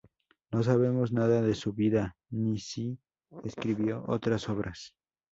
No sabemos nada de su vida ni si escribió otras obras.